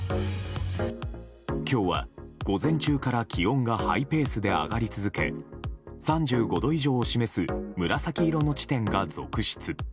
今日は午前中から気温がハイペースで上がり続け３５度以上を示す紫色の地点が続出。